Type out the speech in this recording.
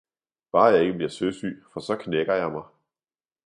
– bare jeg ikke bliver søsyg, for så knækker jeg mig!